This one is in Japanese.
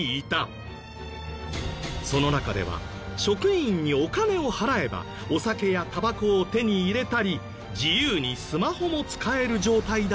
その中では職員にお金を払えばお酒やタバコを手に入れたり自由にスマホも使える状態だったという。